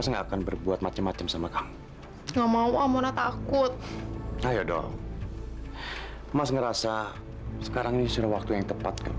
sampai jumpa di video selanjutnya